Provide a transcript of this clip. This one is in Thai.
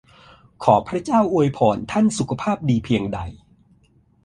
ขอพระเจ้าอวยพรท่านสุขภาพดีเพียงใด!